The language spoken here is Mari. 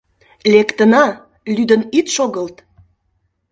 Лектына, лӱдын ит шогылт!